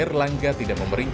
erlangga tidak memerinci